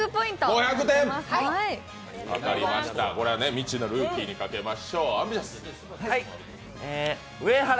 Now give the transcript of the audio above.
未知のルーキーに賭けましょう。